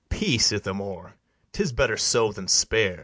Peace, Ithamore! 'tis better so than spar'd.